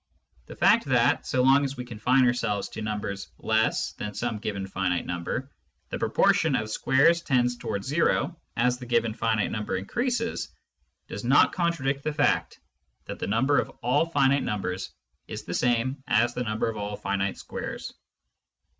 The fact that, so long as we confine ourselves to numbers less than some given finite number, the proportion of squares tends towards zero as the given finite number increases, does not contradict the fact that the number of all finite squares is the same as the number of all finite numbers.